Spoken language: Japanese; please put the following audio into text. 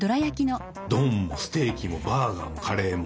丼もステーキもバーガーもカレーも。